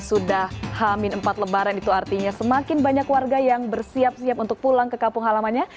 sudah hamin empat lebaran itu artinya semakin banyak warga yang bersiap siap untuk pulang ke kampung halamannya